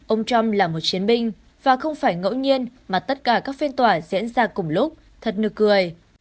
ông trump là một chiến binh và không phải ngẫu nhiên mà tất cả các phiên tòa diễn ra cùng lúc thật nực cười